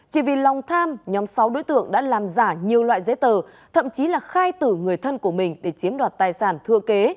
chỉ vì lòng tham nhóm sáu đối tượng đã làm giả nhiều loại giấy tờ thậm chí là khai tử người thân của mình để chiếm đoạt tài sản thưa kế